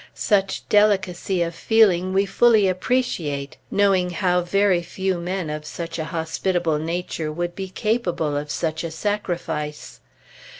Such delicacy of feeling we fully appreciate, knowing how very few men of such a hospitable nature would be capable of such a sacrifice.